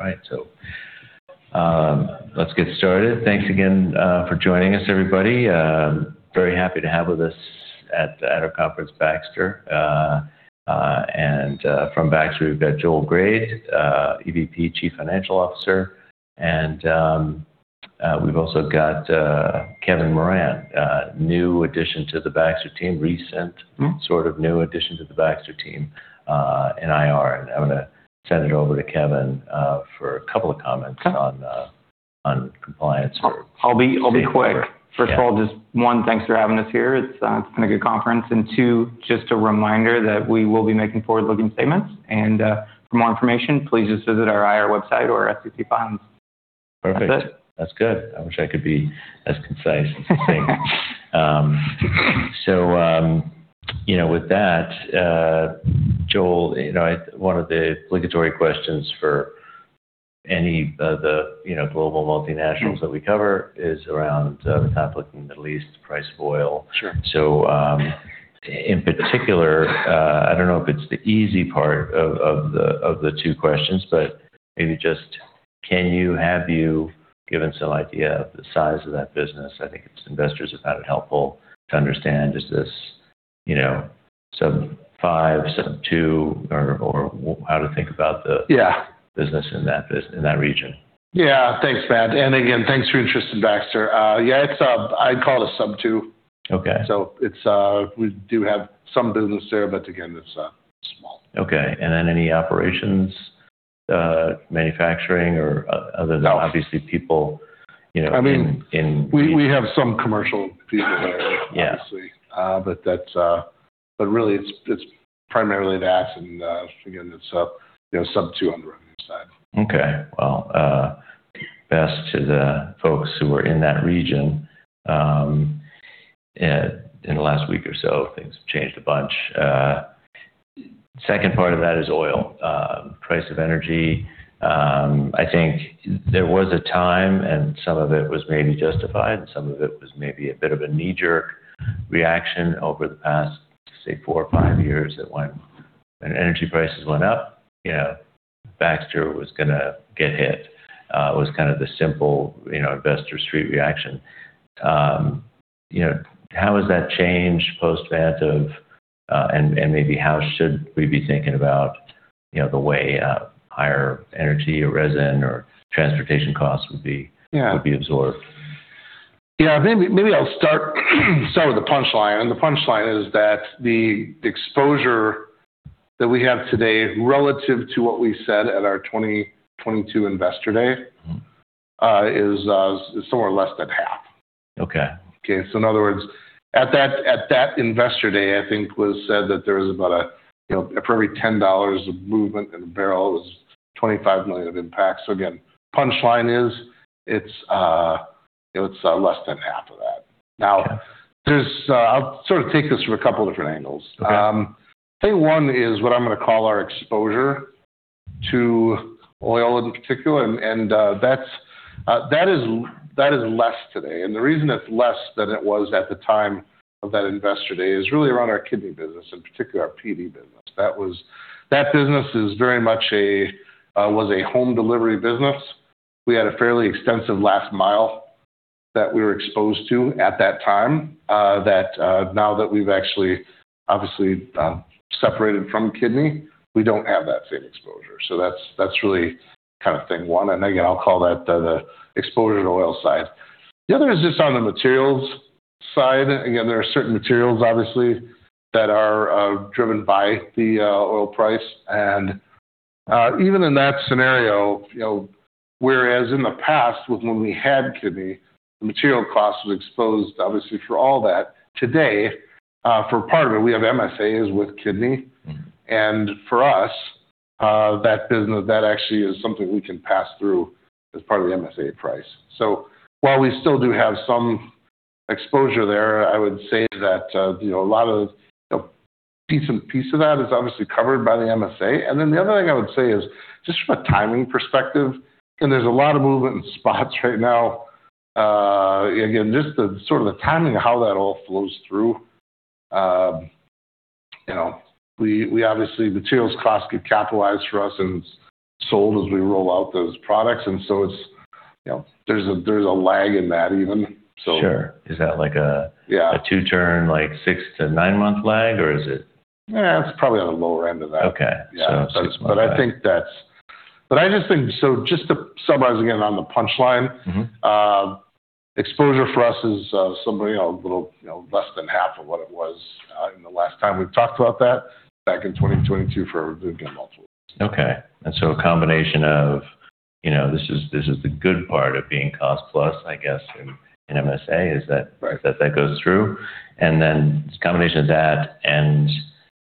All right, let's get started. Thanks again, for joining us, everybody. Very happy to have with us at our conference, Baxter. From Baxter, we've got Joel Grade, EVP, Chief Financial Officer. We've also got Kevin Moran, a new addition to the Baxter team. Recent- Mm-hmm sort of new addition to the Baxter team, in IR. I'm gonna send it over to Kevin for a couple of comments. Okay on compliance or- I'll be quick. Yeah. First of all, just one, thanks for having us here. It's been a good conference. Two, just a reminder that we will be making forward-looking statements. For more information, please just visit our IR website or our SEC filings. Perfect. That's it. That's good. I wish I could be as concise as you seem. You know, with that, Joel, you know, one of the obligatory questions for any of the, you know, global multinationals. Mm-hmm That we cover is around the conflict in the Middle East, price of oil. Sure. In particular, I don't know if it's the easy part of the two questions, but maybe just, have you given some idea of the size of that business? I think it's investors have found it helpful to understand just this, you know, sub-5, sub-2 or how to think about the. Yeah business in that region. Yeah. Thanks, Matt. Again, thanks for your interest in Baxter. I'd call it a sub-2. Okay. We do have some business there, but again, it's small. Okay. Any operations, manufacturing or other than No Obviously people, you know, in I mean, we have some commercial people there. Yeah Obviously. That's. Really it's primarily that and, again, it's sub, you know, sub 2 on the revenue side. Okay. Well, best to the folks who are in that region. In the last week or so things have changed a bunch. Second part of that is oil, price of energy. I think there was a time, and some of it was maybe justified, and some of it was maybe a bit of a knee-jerk reaction over the past, say, four or five years when energy prices went up, you know, Baxter was gonna get hit. It was kind of the simple, you know, investor street reaction. You know, how has that changed post Vantive? And maybe how should we be thinking about, you know, the way higher energy or resin or transportation costs would be. Yeah would be absorbed? Yeah, maybe I'll start with the punchline. The punchline is that the exposure that we have today relative to what we said at our 2022 investor day. Mm-hmm is somewhere less than half. Okay. Okay. In other words, at that investor day, I think was said that there was about, you know, for every $10 of movement in a barrel was $25 million of impact. Again, punchline is it's less than half of that. Okay. Now, there's. I'll sort of take this from a couple different angles. Okay. I think one is what I'm gonna call our exposure to oil in particular, and that's less today. The reason it's less than it was at the time of that investor day is really around our kidney business, in particular our PD business. That business is very much a home delivery business. We had a fairly extensive last mile that we were exposed to at that time. Now that we've actually obviously separated from kidney, we don't have that same exposure. That's really kind of thing one. Again, I'll call that the exposure to oil side. The other is just on the materials side. Again, there are certain materials obviously that are driven by the oil price. Even in that scenario, you know, whereas in the past with when we had kidney, the material cost was exposed obviously for all that. Today, for part of it, we have MSAs with kidney. Mm-hmm. For us, that business, that actually is something we can pass through as part of the MSA price. While we still do have some exposure there, I would say that, you know, a lot of the piece of that is obviously covered by the MSA. Then the other thing I would say is just from a timing perspective, and there's a lot of movement in spots right now, again, just sort of the timing of how that all flows through. You know, we obviously, materials cost get capitalized for us and sold as we roll out those products, and so it's, you know, there's a lag in that even, so. Sure. Yeah a two-turn, like six to nine-month lag or is it? It's probably on the lower end of that. Okay. Yeah. Six-month lag. Just to summarize again on the punchline. Mm-hmm. Exposure for us is somewhere, you know, a little, you know, less than half of what it was in the last time we've talked about that back in 2022 for our multiple reasons. Okay. A combination of, you know, this is the good part of being cost plus, I guess in MSA, is that. Right that goes through, and then it's a combination of that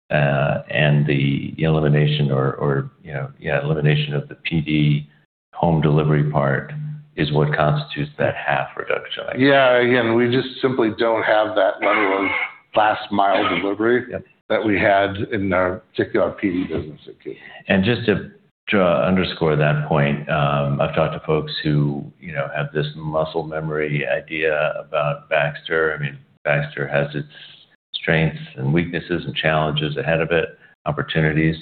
and the elimination of the PD home delivery part is what constitutes that half reduction, I guess. Yeah. Again, we just simply don't have that level of last mile delivery. Yep that we had in our particular PD business. To underscore that point, I've talked to folks who, you know, have this muscle memory idea about Baxter. I mean, Baxter has its strengths and weaknesses and challenges ahead of it, opportunities.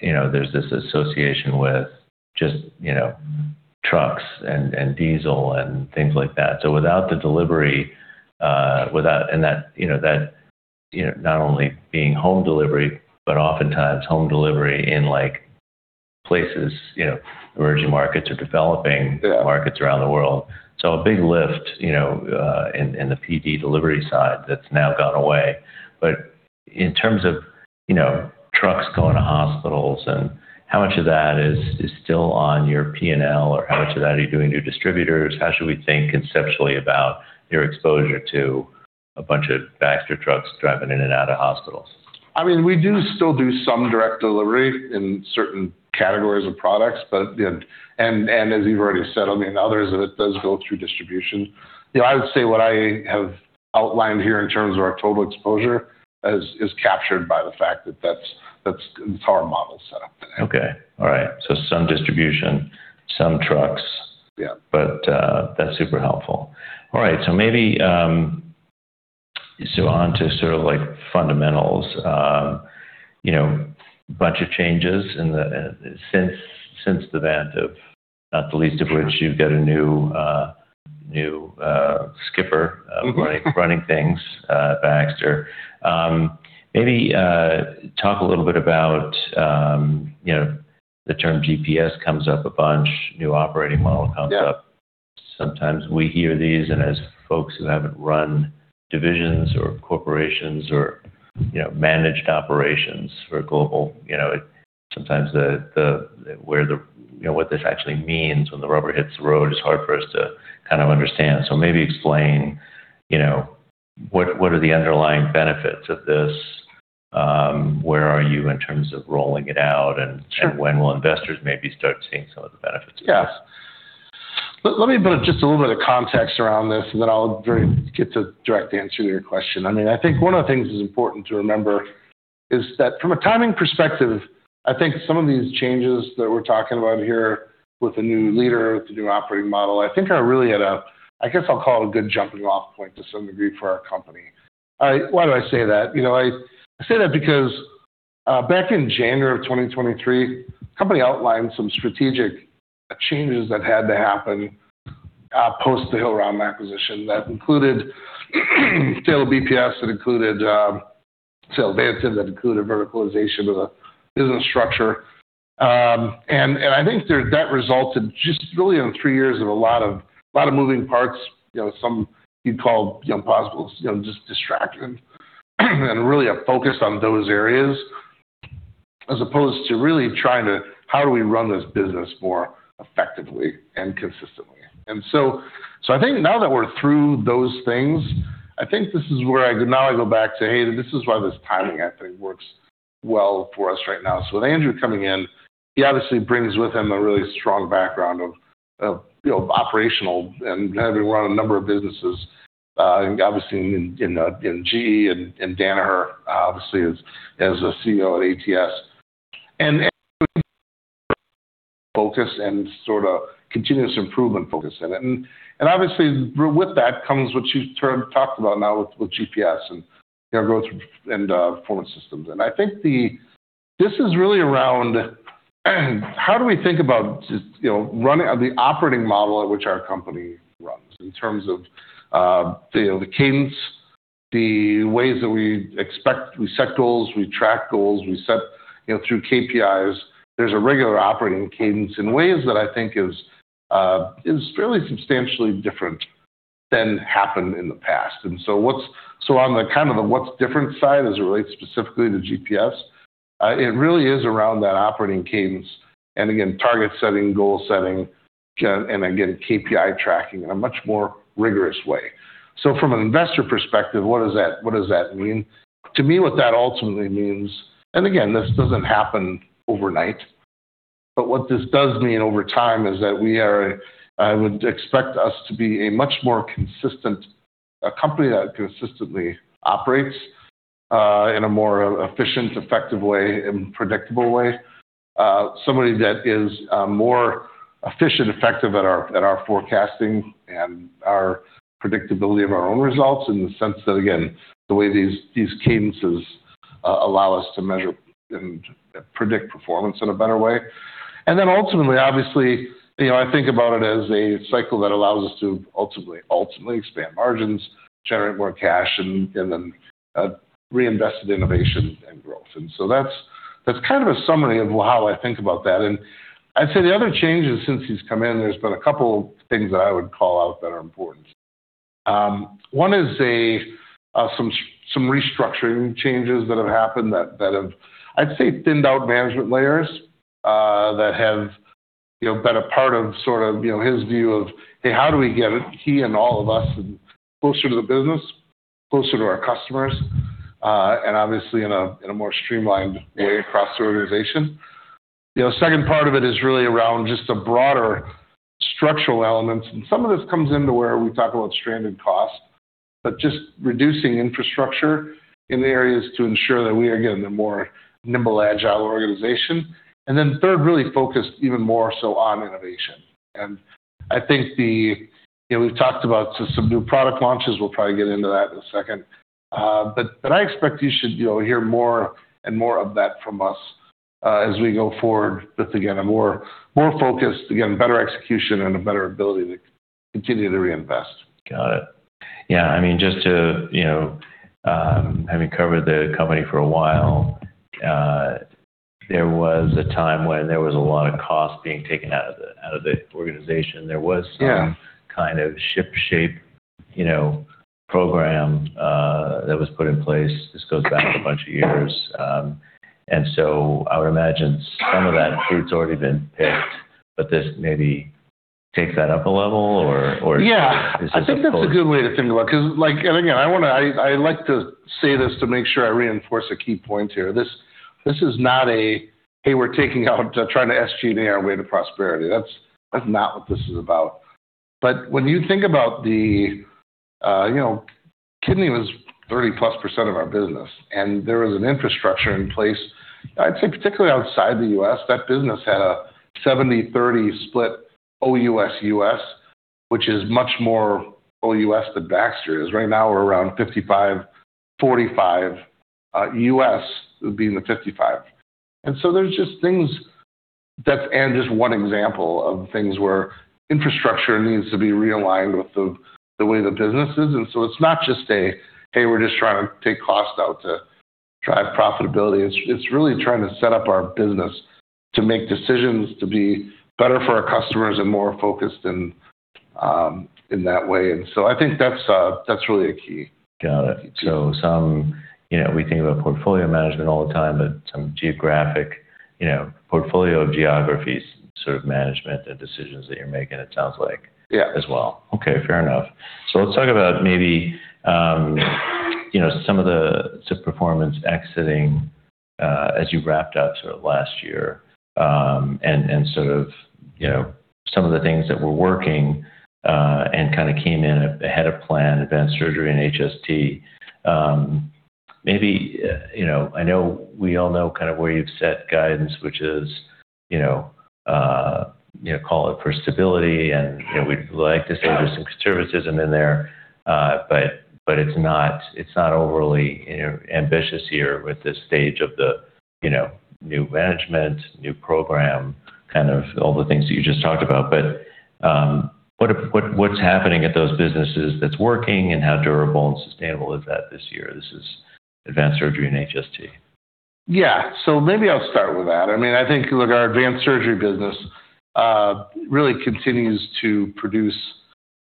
You know, there's this association with just, you know, trucks and diesel and things like that. Without the delivery, without that, you know, not only being home delivery, but oftentimes home delivery in, like, places, you know, emerging markets or developing- Yeah Markets around the world. A big lift, you know, in the PD delivery side that's now gone away. In terms of, you know, trucks going to hospitals and how much of that is still on your P&L or how much of that are you doing through distributors? How should we think conceptually about your exposure to a bunch of Baxter trucks driving in and out of hospitals? I mean, we do still do some direct delivery in certain categories of products, but, you know. As you've already said, I mean, others of it does go through distribution. You know, I would say what I have outlined here in terms of our total exposure is captured by the fact that that's how our model is set up. Some distribution, some trucks. Yeah. That's super helpful. All right, so maybe so on to sort of like fundamentals. You know, bunch of changes since the advent of, not the least of which you've got a new skipper. Mm-hmm. running things at Baxter. Maybe talk a little bit about, you know, the term GPS comes up a bunch, new operating model comes up. Yeah. Sometimes we hear these, and as folks who haven't run divisions or corporations or, you know, managed operations for global, you know, what this actually means when the rubber hits the road is hard for us to kind of understand. Maybe explain, you know, what are the underlying benefits of this? Where are you in terms of rolling it out? Sure. When will investors maybe start seeing some of the benefits of this? Yeah. Let me build just a little bit of context around this, and then I'll very quickly get to directly answer your question. I mean, I think one of the things that's important to remember is that from a timing perspective, I think some of these changes that we're talking about here with the new leader, with the new operating model, I think are really at a good jumping off point to some degree for our company. Why do I say that? You know, I say that because back in January of 2023, the company outlined some strategic changes that had to happen post the Hillrom acquisition. That included sale of BPS, that included sale of assets, that included verticalization of the business structure. I think that resulted just really in three years of a lot of moving parts. You know, some you'd call, you know, possibles, you know, just distracting. Really a focus on those areas as opposed to really trying to, how do we run this business more effectively and consistently? I think now that we're through those things, I think this is where I go back to, "Hey, this is why this timing, I think, works well for us right now." With Andrew coming in, he obviously brings with him a really strong background of, you know, operational and having run a number of businesses, obviously in GE and Danaher, obviously as a CEO at ATS. Focus and sort of continuous improvement focus in it. Obviously with that comes what you talked about now with GPS and, you know, growth and performance systems. I think this is really around how do we think about just, you know, running the operating model at which our company runs in terms of, you know, the cadence, the ways that we expect, we set goals, we track goals, we set, you know, through KPIs. There's a regular operating cadence in ways that I think is fairly substantially different than happened in the past. On the kind of what's different side as it relates specifically to GPS, it really is around that operating cadence and again, target setting, goal setting, and again, KPI tracking in a much more rigorous way. From an investor perspective, what does that mean? To me, what that ultimately means, and again, this doesn't happen overnight, but what this does mean over time is that I would expect us to be a much more consistent company that consistently operates in a more efficient, effective way and predictable way. Somebody that is more efficient, effective at our forecasting and our predictability of our own results in the sense that, again, the way these cadences allow us to measure and predict performance in a better way. Ultimately, obviously, you know, I think about it as a cycle that allows us to ultimately expand margins, generate more cash, and then reinvest in innovation and growth. That's kind of a summary of how I think about that. I'd say the other changes since he's come in, there's been a couple things that I would call out that are important. One is some restructuring changes that have happened that have, I'd say, thinned out management layers that have you know been a part of sort of you know his view of, "Hey, how do we get he and all of us closer to the business, closer to our customers, and obviously in a more streamlined way across the organization?" You know, second part of it is really around just the broader structural elements, and some of this comes into where we talk about stranded costs, but just reducing infrastructure in the areas to ensure that we are, again, a more nimble, agile organization. Then third, really focused even more so on innovation. I think we've talked about some new product launches. We'll probably get into that in a second. But I expect you should, you know, hear more and more of that from us as we go forward with, again, a more focused, again, better execution and a better ability to continue to reinvest. Got it. Yeah, I mean, just to, you know, having covered the company for a while, there was a time when there was a lot of cost being taken out of the organization. There was some... Yeah... kind of shipshape, you know, program that was put in place. This goes back a bunch of years. I would imagine some of that fruit's already been picked, but this maybe takes that up a level or is this- Yeah, I think that's a good way to think about it, 'cause like. Again, I wanna, I like to say this to make sure I reinforce a key point here. This is not a, "Hey, we're taking out, trying to SG&A our way to prosperity." That's not what this is about. When you think about the, you know, kidney was 30%+ of our business, and there was an infrastructure in place. I'd say particularly outside the U.S., that business had a 70/30 split OUS/U.S., which is much more OUS than Baxter is. Right now, we're around 55/45, U.S. being the 55. There's just things that, and just one example of things where infrastructure needs to be realigned with the way the business is. It's not just a, "Hey, we're just trying to take cost out to drive profitability." It's really trying to set up our business to make decisions to be better for our customers and more focused in that way. I think that's really a key. Got it. Some, you know, we think about portfolio management all the time, but some geographic, you know, portfolio of geographies sort of management, the decisions that you're making, it sounds like. Yeah as well. Okay, fair enough. Let's talk about maybe, you know, some of the strong performance exiting as you wrapped up sort of last year, and sort of, you know, some of the things that were working, and kind of came in ahead of plan, Advanced Surgery and HST. Maybe, you know, I know we all know kind of where you've set guidance, which is, you know, call it for stability, and, you know, we'd like to say there's some conservatism in there. But it's not overly ambitious here with this stage of the, you know, new management, new program, kind of all the things that you just talked about. What's happening at those businesses that's working and how durable and sustainable is that this year? This is Advanced Surgery and HST. Yeah. Maybe I'll start with that. I mean, I think, look, our Advanced Surgery business really continues to produce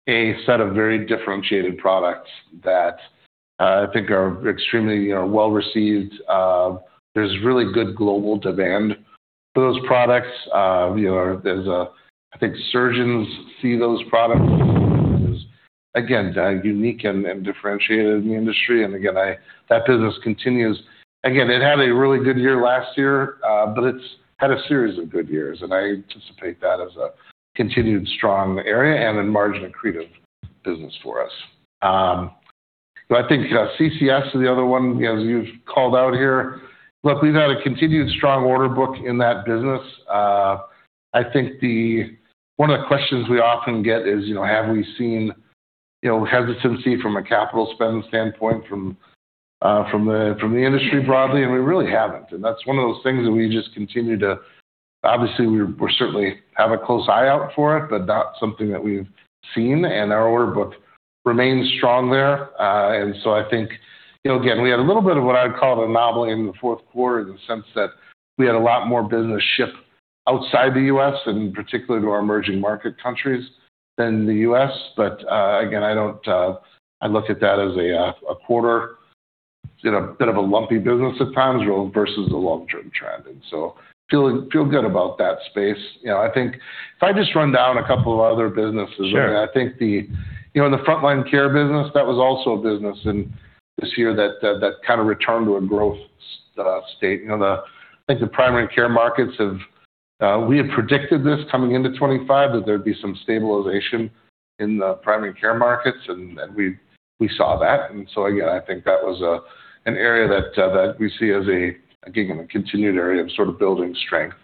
a set of very differentiated products that, I think are extremely, you know, well-received. There's really good global demand for those products. You know, I think surgeons see those products as, again, unique and differentiated in the industry. Again, that business continues. Again, it had a really good year last year, but it's had a series of good years, and I anticipate that as a continued strong area and a margin-accretive business for us. But I think, CCS is the other one, as you've called out here. Look, we've had a continued strong order book in that business. I think one of the questions we often get is, you know, have we seen, you know, hesitancy from a capital spend standpoint from the industry broadly, and we really haven't. That's one of those things that we just continue obviously, we're certainly have a close eye out for it, but not something that we've seen, and our order book remains strong there. I think, you know, again, we had a little bit of what I'd call an anomaly in the fourth quarter in the sense that we had a lot more business shift outside the U.S., and particularly to our emerging market countries than the U.S. Again, I look at that as a quarter, you know, bit of a lumpy business at times versus the long-term trending. Feel good about that space. You know, I think if I just run down a couple of other businesses. Sure. I think you know in the Front Line Care business, that was also a business in this year that kind of returned to a growth state. You know I think the primary care markets we had predicted this coming into 2025, that there'd be some stabilization in the primary care markets, and we saw that. I think that was an area that we see as again a continued area of sort of building strength.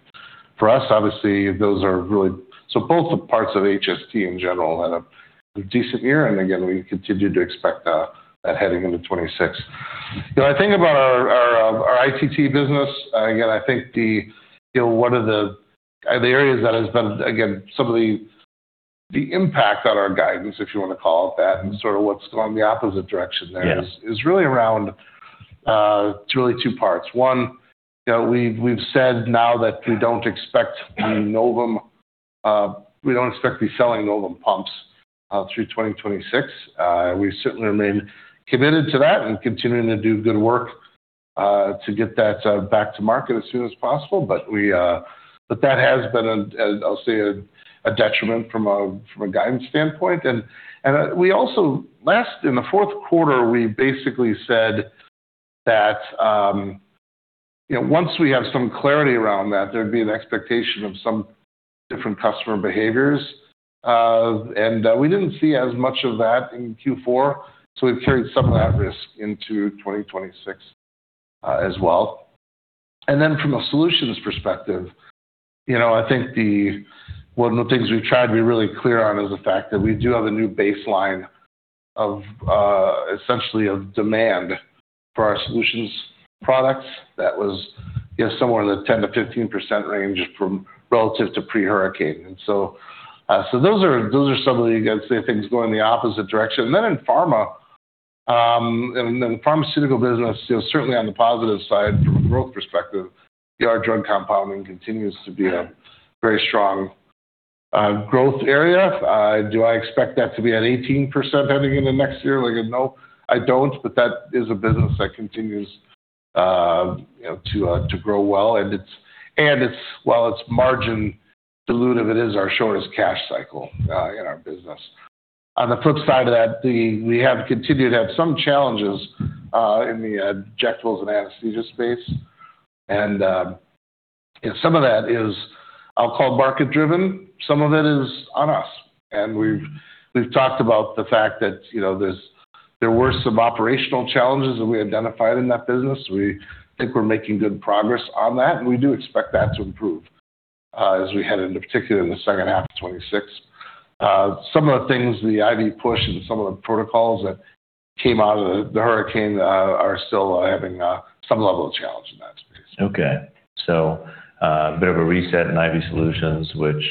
For us, obviously, both the parts of HST in general had a decent year, and again, we continue to expect that heading into 2026. You know, I think about our HST business. Again, I think, you know, one of the areas that has been again some of the impact on our guidance, if you want to call it that, and sort of what's gone the opposite direction there. Yeah Is really around two parts. One, you know, we've said now that we don't expect to be selling Novum pumps through 2026. We certainly remain committed to that and continuing to do good work to get that back to market as soon as possible. That has been a, I'll say a detriment from a guidance standpoint. We also last in the fourth quarter, we basically said that, you know, once we have some clarity around that, there'd be an expectation of some different customer behaviors, and that we didn't see as much of that in Q4, so we've carried some of that risk into 2026, as well. Then from a solutions perspective, you know, I think one of the things we've tried to be really clear on is the fact that we do have a new baseline of essentially of demand for our solutions products that was, you know, somewhere in the 10%-15% range relative to pre-hurricane. Those are some of the, I'd say, things going in the opposite direction. In pharma, in the pharmaceutical business, you know, certainly on the positive side from a growth perspective, our drug compounding continues to be a very strong growth area. Do I expect that to be at 18% heading into next year? Like, no, I don't. But that is a business that continues, you know, to grow well. And it's while it's margin dilutive, it is our shortest cash cycle in our business. On the flip side of that, we have continued to have some challenges in the injectables and anesthesia space. You know, some of that is, I'll call, market-driven, some of it is on us. We've talked about the fact that, you know, there were some operational challenges that we identified in that business. We think we're making good progress on that, and we do expect that to improve as we head into, particularly in the second half of 2026. Some of the things, the IV push and some of the protocols that came out of the hurricane, are still having some level of challenge in that space. Okay. A bit of a reset in IV solutions, which,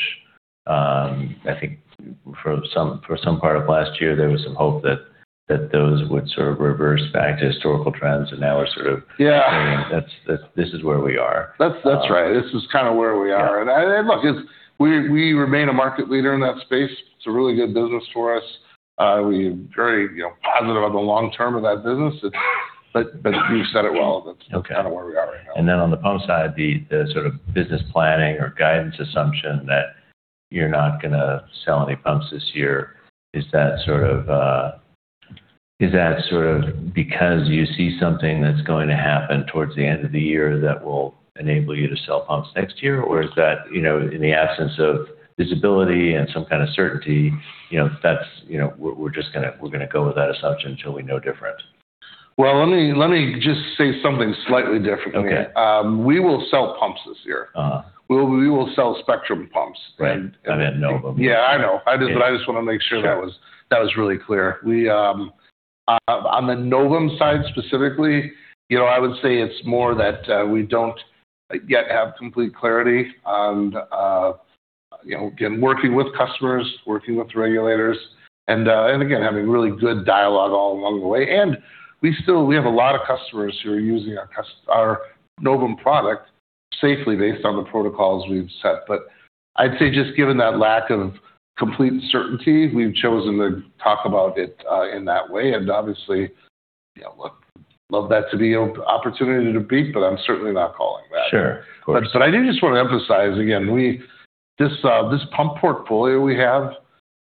I think for some part of last year, there was some hope that those would sort of reverse back to historical trends and now are sort of. Yeah Saying that this is where we are. That's right. This is kind of where we are. Yeah. We remain a market leader in that space. It's a really good business for us. We're very, you know, positive on the long term of that business. You said it well. Okay. That's kind of where we are right now. On the pump side, the sort of business planning or guidance assumption that you're not gonna sell any pumps this year, is that sort of because you see something that's going to happen towards the end of the year that will enable you to sell pumps next year? Or is that, you know, in the absence of visibility and some kind of certainty, you know, that's, you know, we're just gonna go with that assumption until we know different? Well, let me just say something slightly different. Okay. We will sell pumps this year. Uh. We will sell Spectrum pumps. Right. I meant Novum. Yeah, I know. I just wanna make sure that was really clear. We, on the Novum side specifically, you know, I would say it's more that we don't yet have complete clarity on, you know, again, working with customers, working with regulators, and again, having really good dialogue all along the way. We still have a lot of customers who are using our Novum product safely based on the protocols we've set. I'd say just given that lack of complete certainty, we've chosen to talk about it in that way. Obviously, you know, look, love that to be an opportunity to speak, but I'm certainly not calling that. Sure. Of course. I do just want to emphasize again, this pump portfolio we have,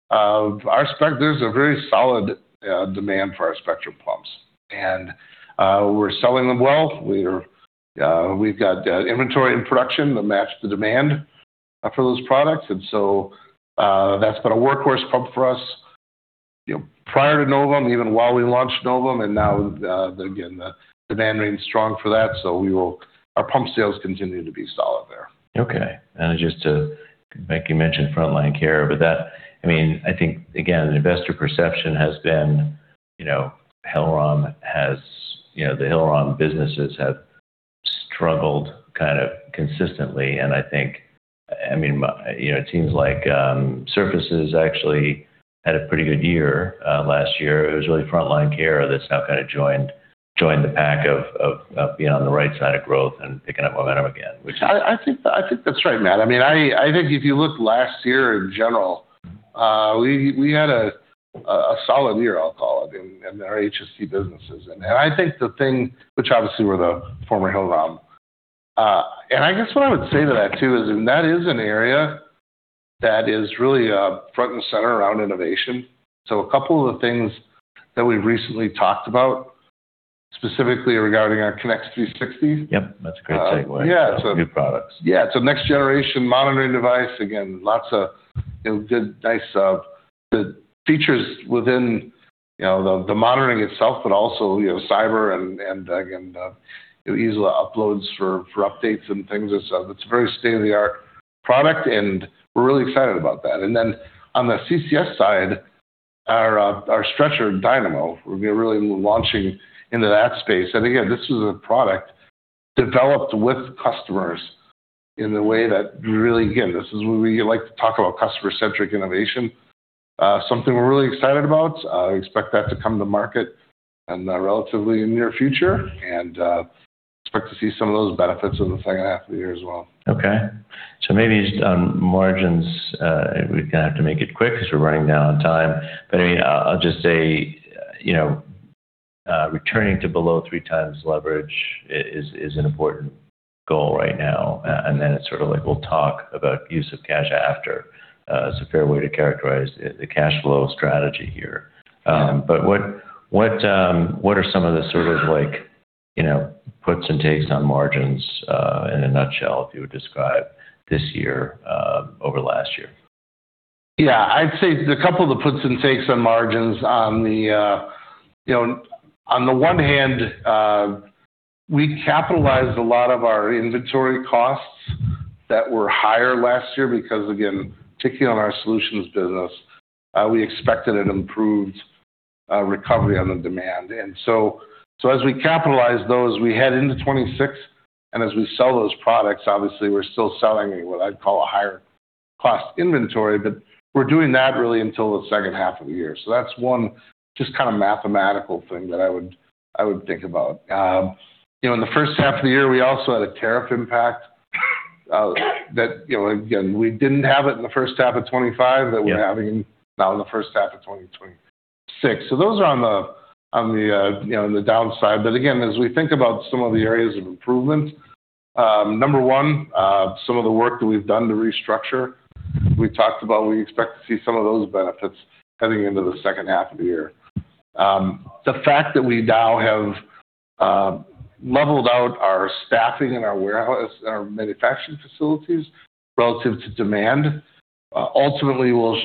our Spectrum. There's a very solid demand for our Spectrum pumps, and we're selling them well. We've got inventory and production that match the demand for those products. That's been a workhorse pump for us, you know, prior to Novum, even while we launched Novum. Again, the demand remains strong for that, so our pump sales continue to be solid there. Okay. Just to make you mention Front Line Care, but. I mean, I think, again, investor perception has been, you know, Hillrom has, you know, the Hillrom businesses have struggled kind of consistently. I think, I mean, you know, it seems like, HST has actually had a pretty good year, last year. It was really Front Line Care that's now kinda joined the pack of being on the right side of growth and picking up momentum again, which I think that's right, Matt. I mean, I think if you look last year in general, we had a solid year, I'll call it, in our HST businesses. I think the thing, which obviously were the former Hillrom. I guess what I would say to that too is, that is an area that is really front and center around innovation. A couple of the things that we've recently talked about specifically regarding our Connex 360. Yep. That's a great segue. Yeah. New products. Yeah. It's a next generation monitoring device. Again, lots of, you know, good, nice features within, you know, the monitoring itself, but also, you know, cyber and again, you know, easy uploads for updates and things. It's a very state-of-the-art product, and we're really excited about that. On the CCS side, our stretcher, Dynamo, we're really launching into that space. Again, this is a product developed with customers in a way that really, again, this is where we like to talk about customer-centric innovation. Something we're really excited about. Expect that to come to market in the relatively near future and expect to see some of those benefits in the second half of the year as well. Okay. Maybe just on margins, we're gonna have to make it quick 'cause we're running down on time. I mean, I'll just say, you know, returning to below three times leverage is an important goal right now. Then it's sort of like we'll talk about use of cash after is a fair way to characterize the cash flow strategy here. Yeah. What are some of the sort of like, you know, puts and takes on margins, in a nutshell, if you would describe this year, over last year? Yeah, I'd say there are a couple of the puts and takes on margins on the one hand, we capitalized a lot of our inventory costs that were higher last year because, again, particularly on our solutions business, we expected an improved recovery on the demand. As we capitalize those, we head into 2026, and as we sell those products, obviously we're still selling what I'd call a higher cost inventory, but we're doing that really until the second half of the year. That's one just kind of mathematical thing that I would think about. You know, in the first half of the year, we also had a tariff impact that, you know, again, we didn't have it in the first half of 2025 that we're having now in the first half of 2026. So those are, you know, on the downside. Again, as we think about some of the areas of improvement, number one, some of the work that we've done to restructure, we talked about, we expect to see some of those benefits heading into the second half of the year. The fact that we now have leveled out our staffing in our warehouse and our manufacturing facilities relative to demand ultimately will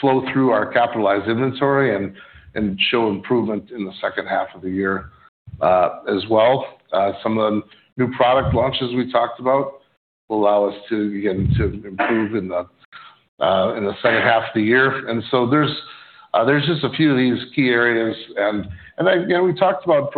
flow through our capitalized inventory and show improvement in the second half of the year, as well. Some of the new product launches we talked about will allow us to begin to improve in the second half of the year. There's just a few of these key areas. Again, we talked about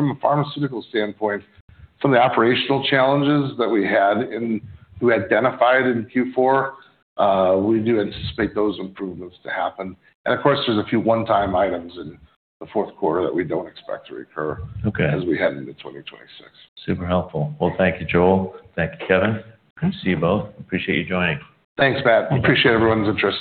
from a pharmaceutical standpoint, some of the operational challenges that we had and we identified in Q4. We do anticipate those improvements to happen. Of course, there's a few one-time items in the fourth quarter that we don't expect to recur. Okay. as we head into 2026. Super helpful. Well, thank you, Joel. Thank you, Kevin. Good to see you both. Appreciate you joining. Thanks, Matt. Appreciate everyone's interest.